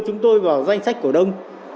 chúng tôi vào danh sách cổ đông